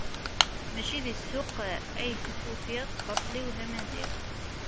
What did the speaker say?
Mačči di ssuq ay t-ufiɣ, laṣel-iw d amaziɣ.